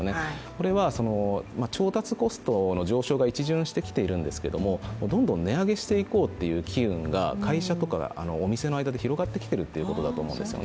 これは調達コストの上達が一巡してるんですけど、どんどん値上げしていこうという機運が会社とかお店の間で広がってきているということだと思うんです。